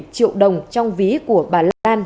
hai bảy triệu đồng trong ví của bà lan